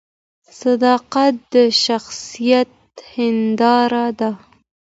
صداقت د شخصیت هنداره ده